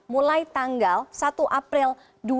mulai tanggal satu april dua ribu dua puluh